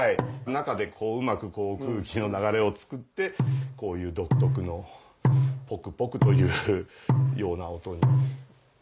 中でうまく空気の流れをつくってこういう独特のポクポクというような音に。